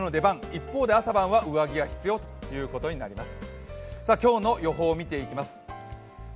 一方で朝晩は上着が必要となります。